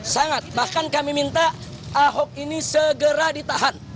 sangat bahkan kami minta ahok ini segera ditahan